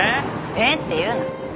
「えっ？」って言うな。